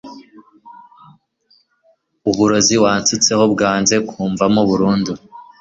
Uburozi wansutseho bwanze kumvamo burundu